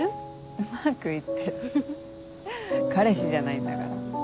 「うまく行ってる」彼氏じゃないんだから。